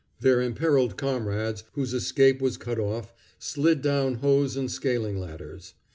Their imperiled comrades, whose escape was cut off, slid down hose and scaling ladders.